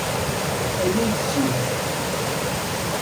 Aya yessewham.